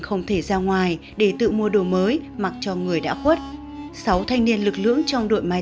không thể ra ngoài để tự mua đồ mới mặc cho người đã khuất sáu thanh niên lực lượng trong đội máy